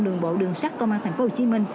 đường bộ đường sắt công an tp hcm